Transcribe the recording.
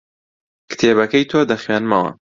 کتێبەکەی تۆ دەخوێنمەوە.